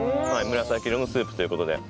紫色のスープという事で。